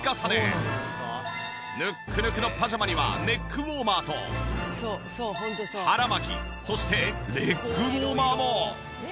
ぬっくぬくのパジャマにはネックウォーマーと腹巻きそしてレッグウォーマーも！